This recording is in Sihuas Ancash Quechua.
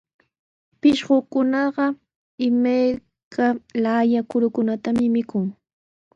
Pishqukunaqa imayka laaya kurukunatami mikun.